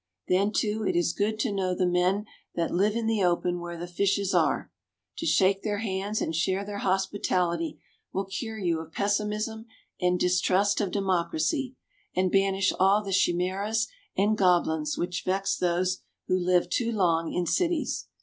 Then, too, it is good to know the men that live in the open where the fishes are. To shake their hands and share their hospitality will cure you of pessimism and distrust of democracy, and banish all the chimeras and goblins which vex those who live too long in cities.